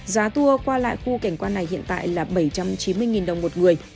giá tour qua lại khu cảnh quan này hiện tại là bảy trăm chín mươi đồng một người